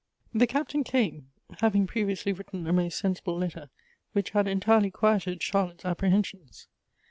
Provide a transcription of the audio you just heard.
THE Captain came, having previously written a most sensible letter, which had entirely quieted Charlotte's apprehensions.